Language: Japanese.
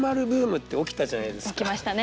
起きましたね。